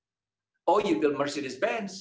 atau anda membangun mercedes benz